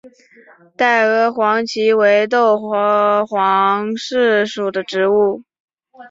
袋萼黄耆为豆科黄芪属的植物。